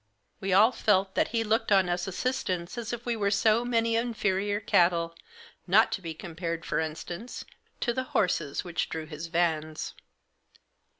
We all felt that he looked on us assistants as if we were so many inferior cattle, not to be compared, for instance, to the horses which drew his vans.